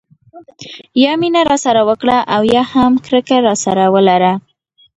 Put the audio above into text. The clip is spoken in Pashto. یا مینه راسره وکړه او یا هم کرکه راسره ولره.